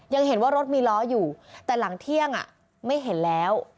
ยังเห็นว่ารถมีล้ออยู่แต่หลังเที่ยงไม่เห็นแล้ว